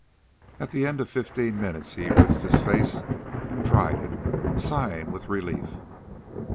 At the end of fifteen minutes he rinsed his face and dried it, sighing with relief.